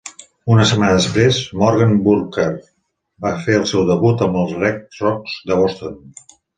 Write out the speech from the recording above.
Una setmana després, Morgan Burkhart va fer el seu debut amb els Red Sox de Boston.